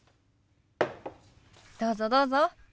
どうぞどうぞ。